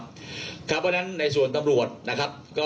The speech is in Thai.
เพราะฉะนั้นในส่วนตำรวจนะครับ